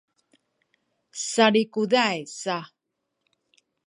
sazikuzay sa